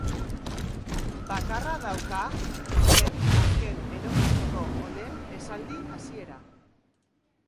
Bakarra dauka zen azken eroglifiko honen esaldi hasiera.